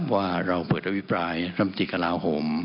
ว่าเราเปิดอภิปรายรำจิกราโหม